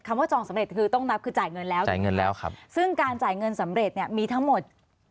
คำว่าจองสำเร็จคือต้องนับคือจ่ายเงินแล้วซึ่งการจ่ายเงินสำเร็จมีทั้งหมด